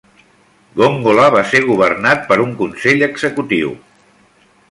Gongola va ser governat per un Consell Executiu.